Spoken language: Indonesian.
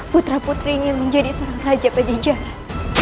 putra putrinya menjadi seorang raja pada jalan